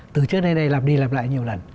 từ trước đến đây lặp đi lặp lại nhiều lần